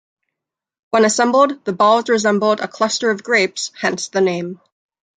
When assembled, the balls resembled a cluster of grapes, hence the name.